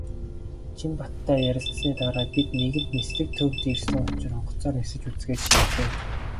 Чинбаттай ярилцсаны дараа бид нэгэнт "Нислэг" төвд ирсэн учир онгоцоор нисэж үзэхээр шийдлээ.